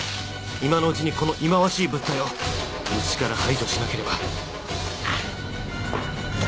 今のうちにこの忌まわしい物体をウチから排除しなければ